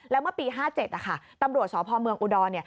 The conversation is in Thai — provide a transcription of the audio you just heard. แล้วเมื่อปี๑๙๕๗ตำรวจสพอุดร